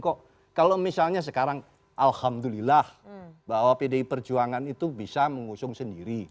kok kalau misalnya sekarang alhamdulillah bahwa pdi perjuangan itu bisa mengusung sendiri